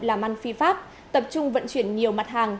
làm ăn phi pháp tập trung vận chuyển nhiều mặt hàng